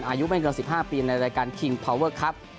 อายุไม่เกิน๑๕ปีในรายการคิงพาวเวอร์ครับ